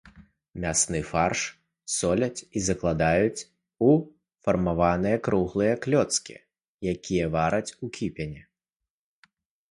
Мясны фарш соляць і закладваюць у фармаваныя круглыя клёцкі, якія вараць у кіпені.